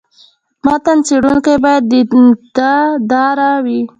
متن څېړونکی باید دیانت داره وي.